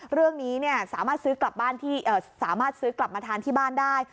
เรื่องนี้สามารถซื้อกลับมาทานที่บ้านได้